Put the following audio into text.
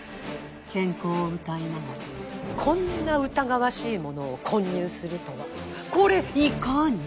健康をうたいながらこんな疑わしいものを混入するとはこれいかに？